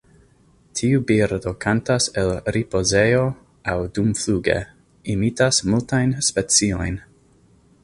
Tiu birdo kantas el ripozejo aŭ dumfluge; imitas multajn speciojn.